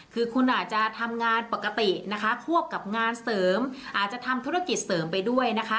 คือคุณอาจจะทำงานปกตินะคะควบกับงานเสริมอาจจะทำธุรกิจเสริมไปด้วยนะคะ